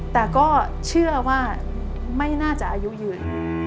แต่ก็เชื่อว่าไม่น่าจะอายุยืน